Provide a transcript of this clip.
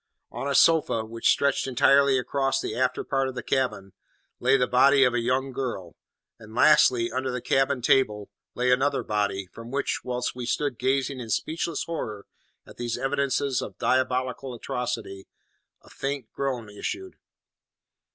On a sofa, which stretched entirely across the after part of the cabin, lay the body of a young girl; and lastly, under the cabin table, lay another body, from which, whilst we stood gazing in speechless horror at these evidences of diabolical atrocity, a faint groan issued.